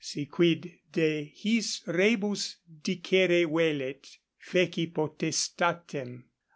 Si quid de his rebus dicere vellet, feci potestatem.